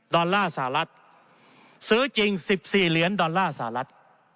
อลลาร์สหรัฐซื้อจริง๑๔เหรียญดอลลาร์สหรัฐ